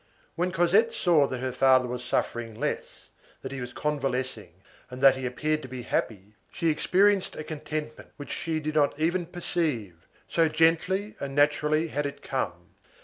When Cosette saw that her father was suffering less, that he was convalescing, and that he appeared to be happy, she experienced a contentment which she did not even perceive, so gently and naturally had it come.